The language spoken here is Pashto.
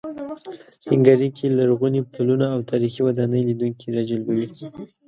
هنګري کې لرغوني پلونه او تاریخي ودانۍ لیدونکي راجلبوي.